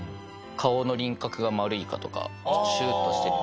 顔の輪郭が丸いかとかシュッとしてる。